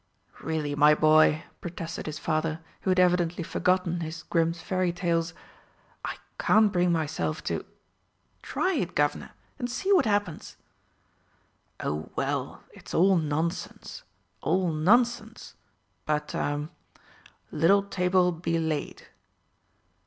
'" "Really, my boy," protested his father, who had evidently forgotten his Grimm's Fairy Tales, "I can't bring myself to " "Try it, Guv'nor and see what happens." "Oh well, it's all nonsense all nonsense but er 'Little table be laid.'"